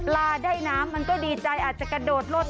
ลาได้น้ำมันก็ดีใจอาจจะกระโดดรถ